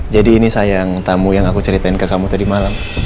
jadi ini sayang tamu yang aku ceritain ke kamu tadi malam